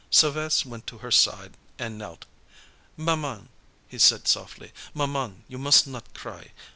Sylves' went to her side and knelt. "Maman," he said softly, "maman, you mus' not cry.